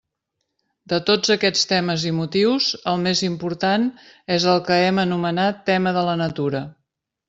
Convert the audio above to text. De tots aquests temes i motius, el més important és el que hem anomenat tema de la natura.